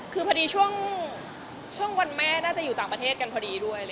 คือพอดีช่วงวันแม่น่าจะอยู่ต่างประเทศกันพอดีด้วย